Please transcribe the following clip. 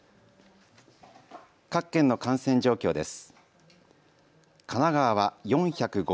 各県の感染状況です。